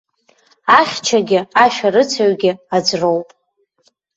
Ахьчагьы ашәарыцаҩгьы аӡә роуп.